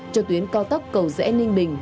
cho tuyến cao tốc cầu dẽ ninh bình